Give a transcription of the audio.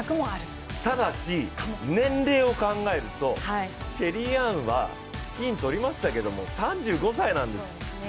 ただし、年齢を考えると、シェリーアンは金取りましたけど３５歳なんです。